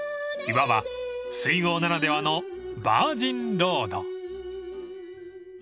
［いわば水郷ならではのバージンロード］